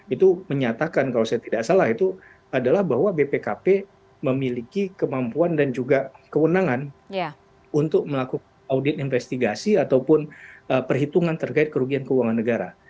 itu menyatakan kalau saya tidak salah itu adalah bahwa bpkp memiliki kemampuan dan juga kewenangan untuk melakukan audit investigasi ataupun perhitungan terkait kerugian keuangan negara